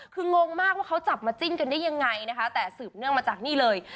คืองงมากว่าเขาจับมาจิ้นกันได้ยังไงนะคะแต่สืบเนื่องมาจากนี่เลย